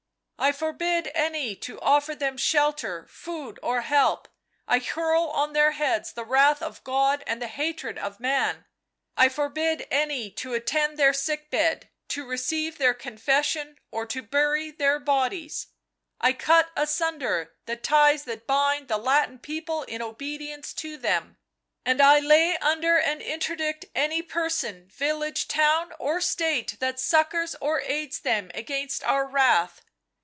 " I forbid any to offer them shelter, food or help ; I hurl on their heads the wrath of God, and the hatred of man; I forbid any to attend their sick bed, to receive their confession or to bury their bodies 1 " I cut asunder the ties that bind the Latin people in obedience to them, and I lay under an interdict any person, village, town or state that succours or aids them against our wrath?